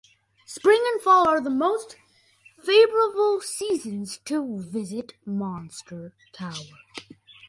Spring and fall are the most favorable seasons to visit Monster Tower.